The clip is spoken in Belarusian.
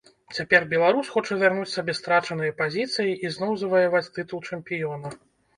Цяпер беларус хоча вярнуць сабе страчаныя пазіцыі і зноў заваяваць тытул чэмпіёна.